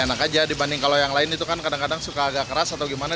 enak aja dibanding kalau yang lain itu kan kadang kadang suka agak keras atau gimana